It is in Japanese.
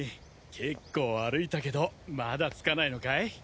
結構歩いたけどまだ着かないのかい？